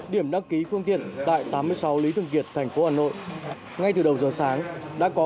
điểm đăng ký phương tiện tại tám mươi sáu lý thường kiệt thành phố hà nội ngay từ đầu giờ sáng đã có